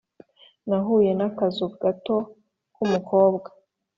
nahuye n'akazu gato k'umukobwa: